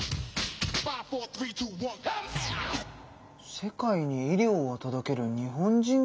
「世界に医療を届ける日本人看護師」？